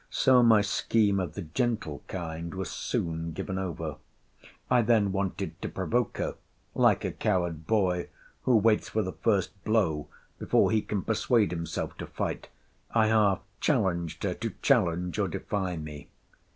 So my scheme of the gentle kind was soon given over. I then wanted to provoke her: like a coward boy, who waits for the first blow before he can persuade himself to fight, I half challenged her to challenge or defy me.